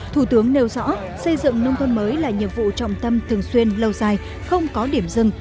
thủ tướng nêu rõ xây dựng nông thôn mới là nhiệm vụ trọng tâm thường xuyên lâu dài không có điểm dừng